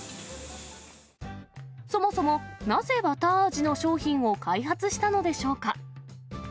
そもそも、なぜバター味の商品を開発したのでしょうか。